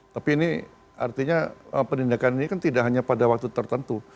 tapi ini artinya penindakan ini kan tidak hanya pada waktu tertentu